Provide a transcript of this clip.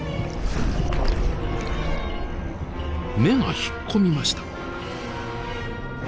目が引っ込みました。